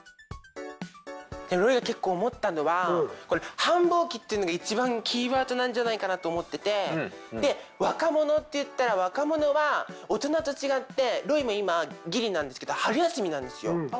ロイが結構思ったのは繁忙期っていうのが一番キーワードなんじゃないかなと思ってて若者っていったら若者は大人と違ってロイも今ギリなんですけど春休みなんですよ。